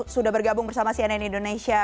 sudah bergabung bersama cnn indonesia